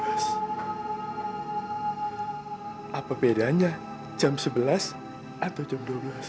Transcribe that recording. apa bedanya jam sebelas atau jam dua belas